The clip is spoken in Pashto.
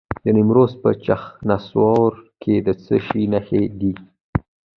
د نیمروز په چخانسور کې د څه شي نښې دي؟